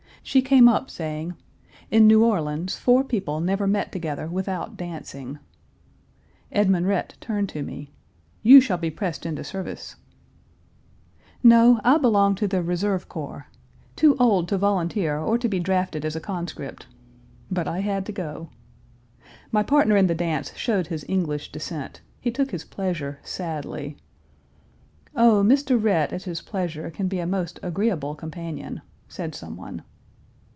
She came up, saying, "In New Orleans four people never met together without dancing." Edmund Rhett turned to me: "You shall be pressed into service." "No, I belong to the reserve corps 1. The battle of Stony Creek in Virginia was fought on June 28 29, 1864. Page 314 too old to volunteer or to be drafted as a conscript." But I had to go. My partner in the dance showed his English descent; he took his pleasure sadly. "Oh, Mr. Rhett, at his pleasure, can be a most agreeable companion!" said someone.